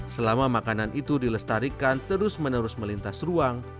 selama makanan itu dilestarikan terus menerus melintas ruang